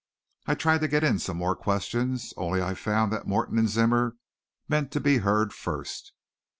I tried to get in some more questions, only I found that Morton and Zimmer meant to be heard first.